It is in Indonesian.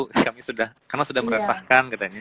karena sudah meresahkan katanya